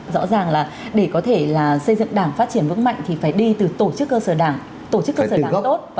rõ ràng là để có thể xây dựng đảng phát triển vững mạnh thì phải đi từ tổ chức cơ sở đảng tốt